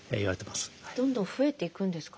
どんどん増えていくんですかね？